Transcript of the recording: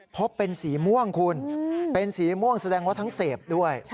พบเป็นสีม่วงคุณเป็นสีม่วงแสดงว่าทั้งเสพด้วย